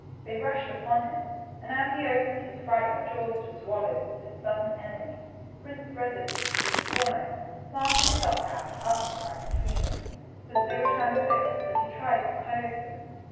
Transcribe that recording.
They rushed upon him, and as he opened his frightful jaws to swallow this sudden enemy. Prince Resolute, who was foremost, j)lanted his ox goad up right between them, so that they were transfixed as he tried to close them.